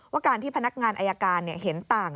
การที่พนักงานอายการเห็นต่าง